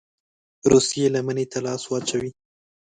روسيې لمني ته لاس واچوي.